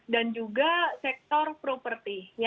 dan juga sektor property